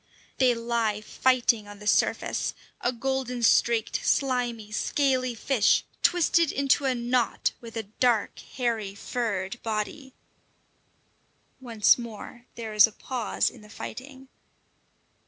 They lie fighting on the surface a golden streaked, slimy, scaly fish twisted into a knot with a dark, hairy, furred body! Once more there is a pause in the fighting.